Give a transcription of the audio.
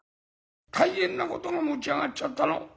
大変なことが持ち上がっちゃったの」。